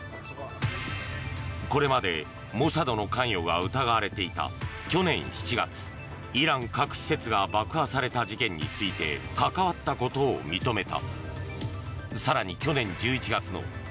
これまでモサドの関与が疑われていた、去年７月イラン核施設が爆破された事件について関わったことを認めた。